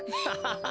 ハハハ。